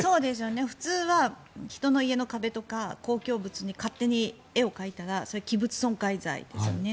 普通は人の家の壁とか公共物に勝手に絵を描いたらそれは器物損壊罪ですよね。